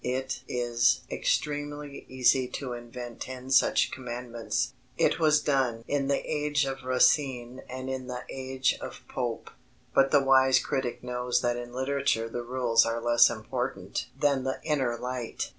It is extremely easy to invent ten such commandments it was done in the age of Racine and in the age of Pope but the wise critic knows that in literature the rules are less important than the "inner light."